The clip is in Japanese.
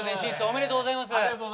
ありがとうございます。